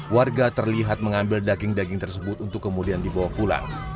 warga terlihat mengambil daging daging tersebut untuk kemudian dibawa pulang